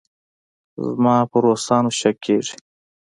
زما په روسانو شک کېږي.